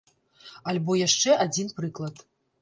Альбо яшчэ адзін прыклад.